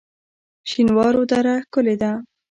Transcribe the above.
شینوارو دره ښکلې ده؟